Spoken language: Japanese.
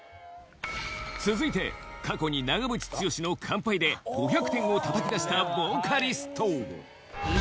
続いて過去に長渕剛の『乾杯』で５００点をたたき出したボーカリスト